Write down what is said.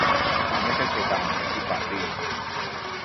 "มันไม่ใช่เพดาน มันคือฝ่าตีน"